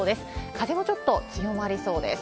風もちょっと強まりそうです。